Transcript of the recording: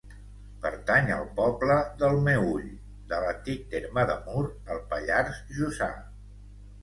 Pertany al poble del Meüll, de l'antic terme de Mur, al Pallars Jussà.